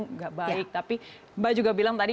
tidak baik tapi mbak juga bilang tadi